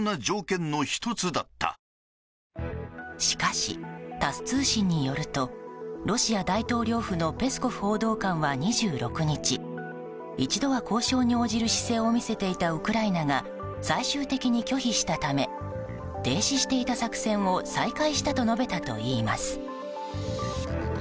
しかしタス通信によるとロシア大統領府のペスコフ報道官は２６日、一度は交渉に応じる姿勢を見せていたウクライナが最終的に拒否したため停止していた作戦を再開したと述べたといいます。